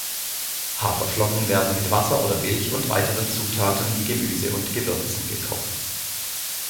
Haferflocken werden mit Wasser oder Milch und weiteren Zutaten wie Gemüse und Gewürzen gekocht.